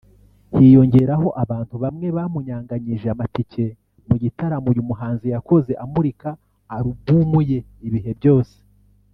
hiyongeraho abantu bamwe bamunyanganyije amatike mu gitaramo uyu muhanzi yakoze amurika alubumu ye Ibihe Byose